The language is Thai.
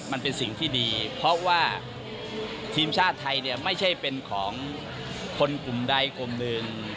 มันเป็นสิ่งที่ดีเพราะว่าทีมชาติไทยเนี่ยไม่ใช่เป็นของคนกลุ่มใดกลุ่มหนึ่ง